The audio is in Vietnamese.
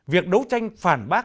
việc đấu tranh phản bác